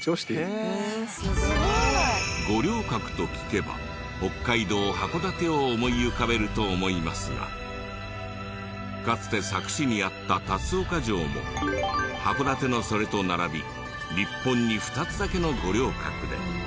すごい！五稜郭と聞けば北海道函館を思い浮かべると思いますがかつて佐久市にあった龍岡城も函館のそれと並び日本に２つだけの五稜郭で。